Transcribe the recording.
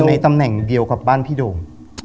ในตำแหน่งเดียวกับบ้านพี่โด่ง